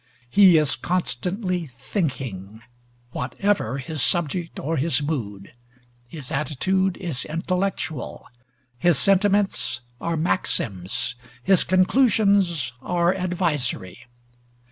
He is constantly thinking, whatever his subject or his mood; his attitude is intellectual, his sentiments are maxims, his conclusions are advisory.